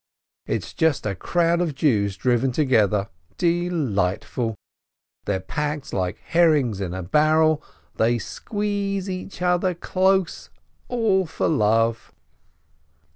It is just a crowd of Jews driven together. Delightful! They're packed like herrings in a barrel, they squeeze each other close, all for love.